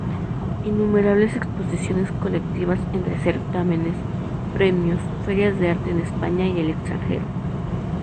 Innumerables exposiciones colectivas entre certámenes, premios, ferias de arte en España y el extranjero.